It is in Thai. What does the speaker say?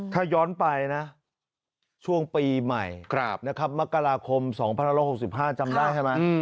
ถ้าย้อนไปนะช่วงปีใหม่นะครับมกราคม๒๑๖๕จำได้ใช่ไหม